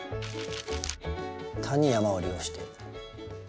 谷山を利用して。